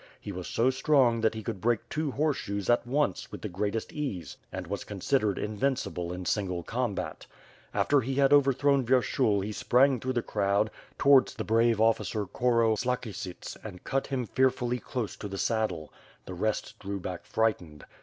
He was so strong that he could break two horseshoes at once, with the greatest ease; and was considered invincible in single combat. After he had overthrown Vyershul he sprang through the crowd, towards the brave officer Korosklakhisits and cut him fear fully close to the saddle; the rest drew back frightened.